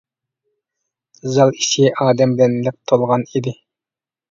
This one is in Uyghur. زال ئىچى ئادەم بىلەن لىق تولغانىدى.